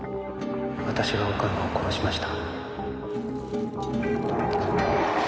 私が岡野を殺しました。